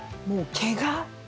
もう毛が。